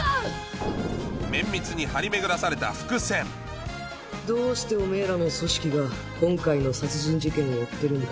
綿密にどうしておめぇらの組織が今回の殺人事件を追ってるんだ。